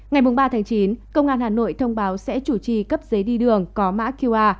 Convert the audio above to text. ngày ba chín công an hà nội thông báo sẽ chủ trì cấp giấy đi đường có mã qr